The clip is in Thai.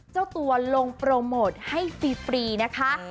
เจ้าตัวลงโปรโมทให้ฟรีนะคะ